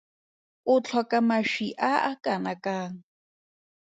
O tlhoka mašwi a a kanakang?